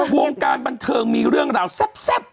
วงการบันเทิงมีเรื่องราวแซ่บ